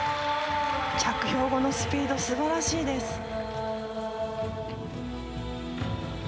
着氷後のスピード素晴らしいです。